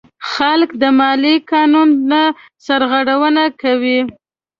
خلک د مالیې قانون نه سرغړونه کوي.